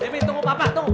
debbie tunggu papa tunggu